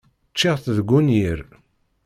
Ččiɣ-tt deg unyir.